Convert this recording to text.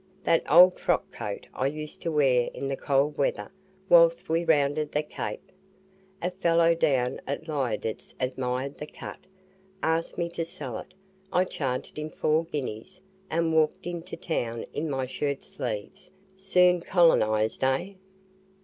"That old frock coat I used to wear in the cold weather whilst we rounded the Cape. A fellow down at Liardet's admired the cut, asked me to sell it. I charged him four guineas, and walked into town in my shirt sleeves; soon colonized, eh?"